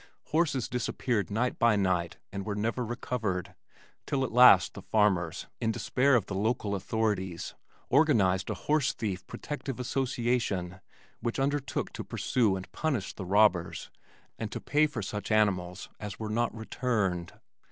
Horses disappeared night by night and were never recovered, till at last the farmers, in despair of the local authorities, organized a Horse Thief Protective Association which undertook to pursue and punish the robbers and to pay for such animals as were not returned.